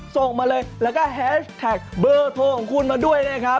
ส่งมาเลยแล้วก็แฮชแท็กเบอร์โทรของคุณมาด้วยนะครับ